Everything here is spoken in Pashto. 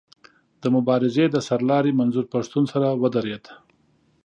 د مبارزې د سر لاري منظور پښتون سره ودرېد.